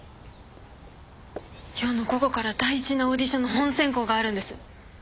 今日の午後から大事なオーディションの本選考があるんです。